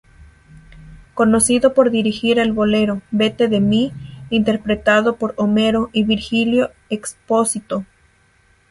Conocido por dirigir el bolero "Vete de mí", interpretado por Homero y Virgilio Expósito.